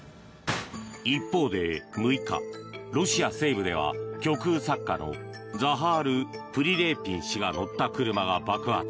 一方で６日、ロシア西部では極右作家のザハール・プリレーピン氏が乗った車が爆発。